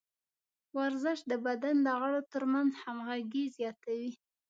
ورزش د بدن د غړو ترمنځ همغږي زیاتوي.